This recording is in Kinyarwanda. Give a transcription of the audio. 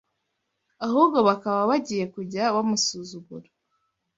ahubwo bakaba bagiye kujya bamusuzugura